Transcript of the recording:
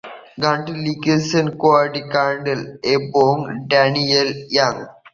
গানটি লিখেছেন Cody Carnes এবং ড্যানিয়েলা ইয়াং।